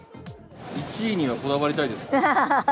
１位にはこだわりたいですか？